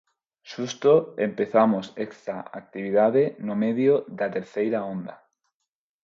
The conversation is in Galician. Xusto empezamos esta actividade no medio da terceira onda.